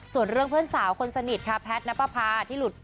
ส่วนเรื่องเพื่อนสาวคนสนิทแพทนพผา